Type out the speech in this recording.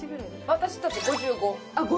私たち５５。